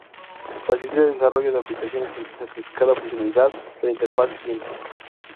Facilita el desarrollo de aplicaciones sin sacrificar la funcionalidad de la Interfaz Cliente.